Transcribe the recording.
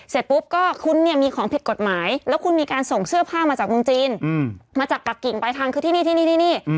เสร็จปุ๊บก็คุณเนี่ยมีของผิดกฎหมายแล้วคุณมีการส่งเสื้อผ้ามาจากเมืองจีนมาจากปากกิ่งปลายทางคือที่นี่ที่นี่